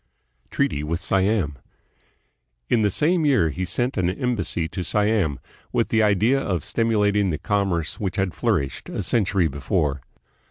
Treaty with Slam. In the same year he sent an em bassy to Siam, with the idea of stimulating the commerce which had flourished a century before.